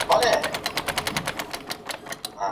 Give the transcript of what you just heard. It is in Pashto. ایا ملي بڼوال خندان پسته ساتي؟